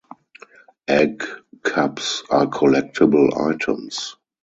Egg cups are collectible items.